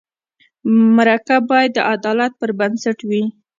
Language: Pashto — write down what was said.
مرکه باید د عدالت پر بنسټ وي.